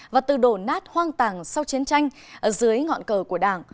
và từ đổ nát hoang tàng sau chiến tranh ở dưới ngọn cờ của đảng